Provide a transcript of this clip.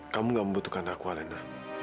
kamu gak membutuhkan aku alena